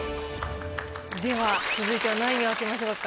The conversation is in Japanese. では続いては何位を開けましょうか？